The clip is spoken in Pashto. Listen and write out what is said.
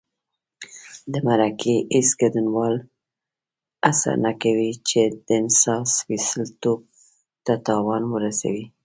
د مرکې هېڅ ګډونوال هڅه نه کوي چې د انصاف سپېڅلتوب ته تاوان ورسي.